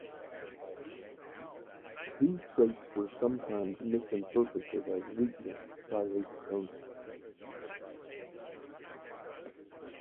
These traits were sometimes misinterpreted as weakness by his opponents.